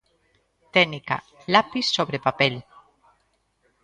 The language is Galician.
Técnica: Lapis sobre papel.